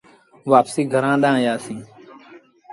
وآپسيٚ گھرآݩ ڏآنهن آيآ سيٚݩ۔